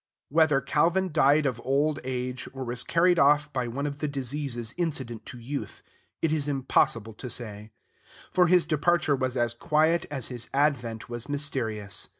Whether Calvin died of old age, or was carried off by one of the diseases incident to youth, it is impossible to say; for his departure was as quiet as his advent was mysterious.